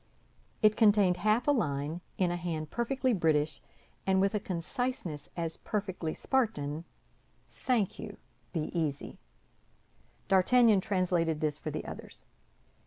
It contained half a line, in a hand perfectly British, and with a conciseness as perfectly Spartan: Thank you; be easy. D'Artagnan translated this for the others.